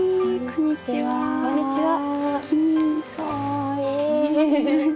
こんにちは。